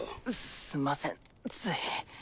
すんませんつい。